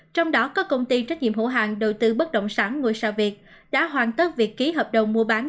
trong đó các công ty trách nhiệm hữu hạng đầu tư bất đồng sản ngôi sao việt đã hoàn tất việc ký hợp đồng mua bán